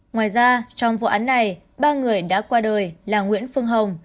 ngoài ra trong vụ án này ba người đã qua đời là nguyễn phương hồng